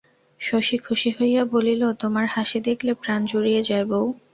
শশী খুশি হইয়া বলিল, তোমার হাসি দেখলে প্রাণ জুড়িয়ে যায় বৌ।